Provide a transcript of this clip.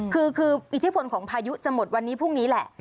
คืออิทธิพลของพายุจะหมดวันนี้พรุ่งนี้แหละ